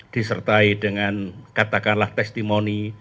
disertai dengan katakanlah testimoni